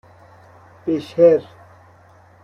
بِشر